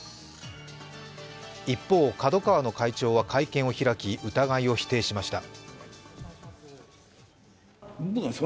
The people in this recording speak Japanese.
一方、角川の会長は会見を開き疑いを否定しました。